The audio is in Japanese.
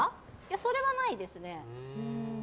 それはないですね。